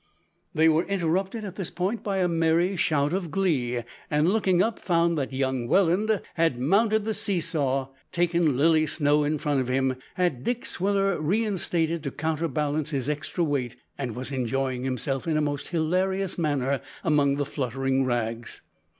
They were interrupted at this point by a merry shout of glee, and, looking up, found that young Welland had mounted the see saw, taken Lilly Snow in front of him, had Dick Swiller reinstated to counterbalance his extra weight, and was enjoying himself in a most hilarious manner among the fluttering rags.